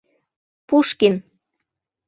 Пушкин